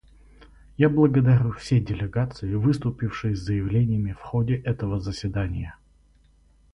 Я благодарю все делегации, выступившие с заявлениями в ходе этого заседания.